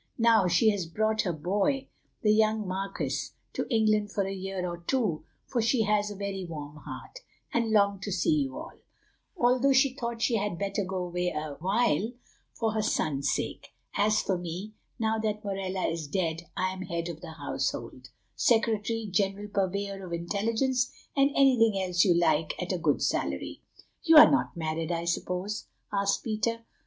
Now she has brought her boy, the young marquis, to England for a year or two, for she has a very warm heart, and longed to see you all. Also, she thought she had better go away a while, for her son's sake. As for me, now that Morella is dead, I am head of the household—secretary, general purveyor of intelligence, and anything else you like at a good salary." "You are not married, I suppose?" asked Peter.